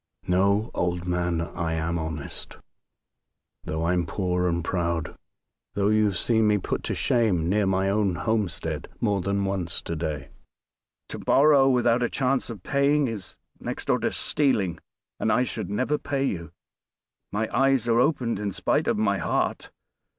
No! old man. I am honest, though I'm poor and proud, though you have seen me put to shame near my own homestead more than once to day. To borrow without a chance of paying is next door to stealing; and I should never pay you. My eyes are opened in spite of my heart.